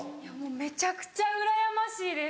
めちゃくちゃうらやましいです